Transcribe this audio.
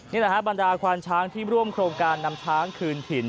นี่แหละฮะบรรดาควานช้างที่ร่วมโครงการนำช้างคืนถิ่น